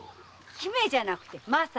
姫じゃなくて「まさ」！